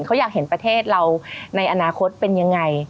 เขาอยากเห็นประเทศเราในอนาคตเป็นยังไง